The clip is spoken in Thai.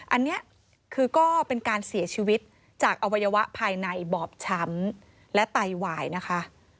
อันนี้คือก็เป็นการเสียชีวิตจากอวัยวะภายในบอบช้ำและไตวายนะคะ